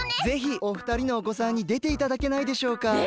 ぜひお二人のおこさんにでていただけないでしょうか？